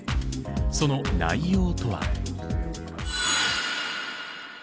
その内容とは。